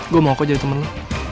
gue mau kok jadi temen lo